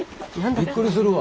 びっくりするわ。